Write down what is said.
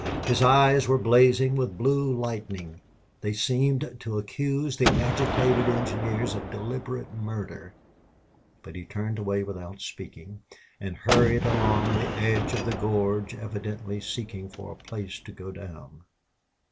His eyes were blazing with blue lightning; they seemed to accuse the agitated engineers of deliberate murder. But he turned away without speaking and hurried along the edge of the gorge, evidently searching for a place to go down.